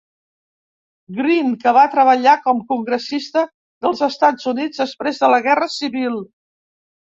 Green, que va treballar com congressista dels Estats Units després de la Guerra Civil.